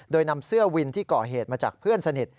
โดยนำเสื้อวินที่ก่อเหตุมาจากเพื่อนสนิท